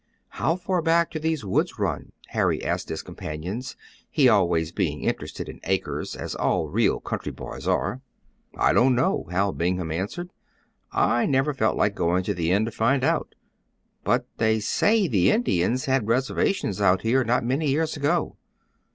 "How far back do these woods run?" Harry asked his companions, he always being interested in acres, as all real country boys are. "I don't know," Hal Bingham answered. "I never felt like going to the end to find out. But they say the Indians had reservations out here not many years ago."